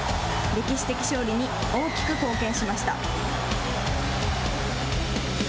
歴史的勝利に大きく貢献しました。